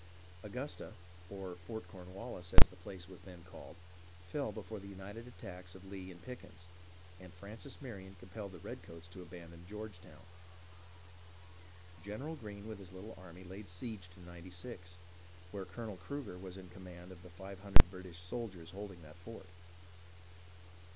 Augusta, or Fort Cornwallis, as the place was then called, fell before the united attacks of Lee and Pickens, and Francis Marion compelled the redcoats to abandon Georgetown. General Greene with his little army laid siege to Ninety Six, where Colonel Cruger was in command of the five hundred British soldiers holding that fort.